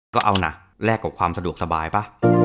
ก็เอานะแลกกับความสะดวกสบายป่ะ